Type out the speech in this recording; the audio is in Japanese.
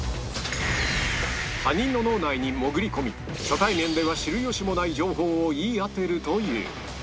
他人の脳内に潜り込み初対面では知る由もない情報を言い当てるという